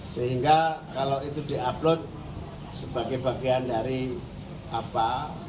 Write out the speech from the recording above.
sehingga kalau itu di upload sebagai bagian dari apa